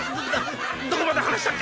どこまで話したっけ？